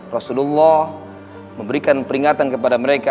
rasulullah memberikan peringatan kepada mereka